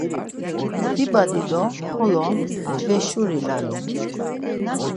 Dibadi do xolo cveşuri lalum.